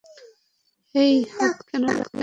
হেই, হাত কেন লাগালি?